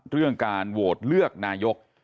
เรื่องการโหวตเลือกนายก